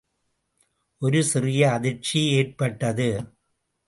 ஒரு சிறிய அதிர்ச்சி ஏற்பட்டது.